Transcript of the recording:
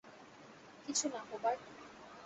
কিছুনা, হুবার্ট।